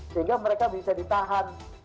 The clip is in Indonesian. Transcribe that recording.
sehingga mereka bisa ditahan